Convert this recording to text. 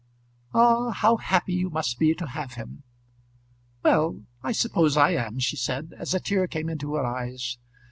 "Ah, how happy you must be to have him!" "Well, I suppose I am," she said, as a tear came into her eyes.